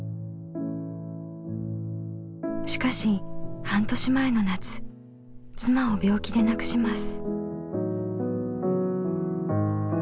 しかし半年前の夏妻を病気で亡くします。